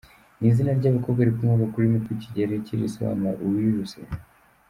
Ni izina ry’abakobwa rikomoka ku rurimi rw’ikigereki risobanura “Uwijuse”.